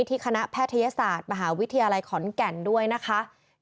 คณะแพทยศาสตร์มหาวิทยาลัยขอนแก่นด้วยนะคะ